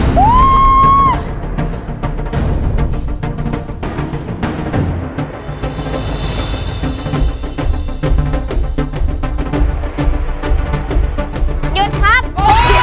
หยุดครับ